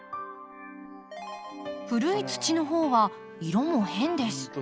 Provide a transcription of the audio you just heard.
古い土の方は色も変です。